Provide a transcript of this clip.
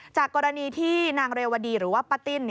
จากกรณีที่นางเรวดีหรือว่าป้าติ้น